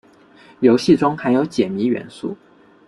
游戏中含有解密元素。